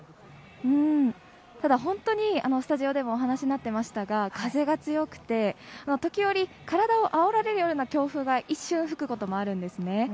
ただ、本当にスタジオでもお話になっていましたが風が強くて、時折体をあおられるような強風が一瞬吹くことがあるんです。